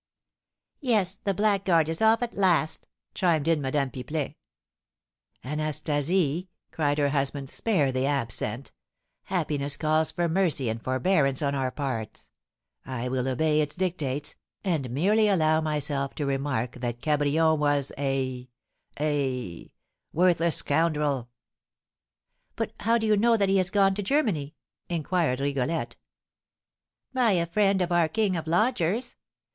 "Yes, the blackguard is off at last!" chimed in Madame Pipelet. "Anastasie," cried her husband, "spare the absent! Happiness calls for mercy and forbearance on our parts. I will obey its dictates, and merely allow myself to remark that Cabrion was a a worthless scoundrel!" "But how do you know that he has gone to Germany?" inquired Rigolette. "By a friend of our 'king of lodgers.'